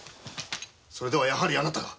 それではやはりあなたが。